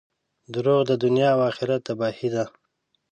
• دروغ د دنیا او آخرت تباهي ده.